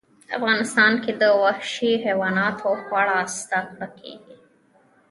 افغانستان کې د وحشي حیواناتو په اړه زده کړه کېږي.